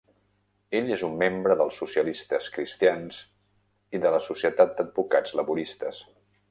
Ell és un membre dels socialistes cristians i de la Societat d'Advocats Laboristes.